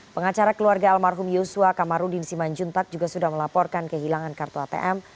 pengacara keluarga almarhum yosua kamarudin simanjuntak juga sudah melaporkan kehilangan kartu atm